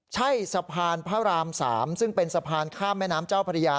ใช่สะพานพระราม๓ซึ่งเป็นสะพานข้ามแม่น้ำเจ้าพระยา